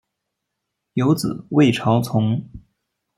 有子魏朝琮。